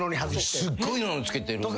すっごいの着けてる。